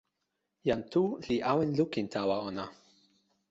jan Tu li awen lukin tawa ona.